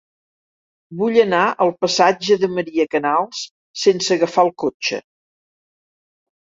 Vull anar al passatge de Maria Canals sense agafar el cotxe.